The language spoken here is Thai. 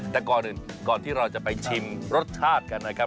แต่ก่อนที่เราจะไปชิมรสชาติกันนะครับ